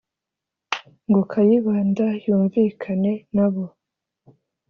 ngo kayibanda yumvikane na bo